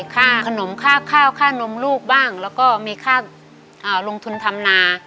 ข้าขนมข้าข้าวข้านมลูกบ้างแล้วก็มีข้ารงทุนธรรมนา